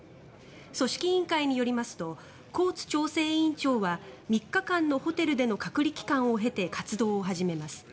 組織委員会によりますとコーツ調整委員長は３日間のホテルでの隔離期間を経て活動を始めます。